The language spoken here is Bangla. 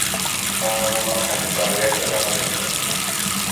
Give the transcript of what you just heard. সম্মেলনে অন্য বিজ্ঞানীরা সেটা মেনে নিলেন।